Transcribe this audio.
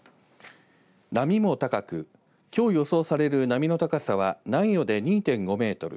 波も高くきょう予想される波の高さは南予で２．５メートル